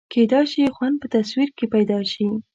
کېدای شي خوند په تصور کې پیدا شي.